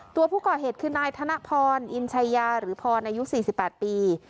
ตัวผู้ก่อเหตุคือนายธนพรอินชัยยาหรือพรอายุ๔๘ปี